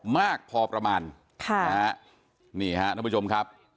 มากพอประมาณค่ะนะฮะนี่ฮะท่านผู้ชมครับ